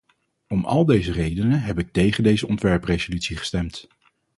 Om al deze redenen heb ik tegen deze ontwerpresolutie gestemd.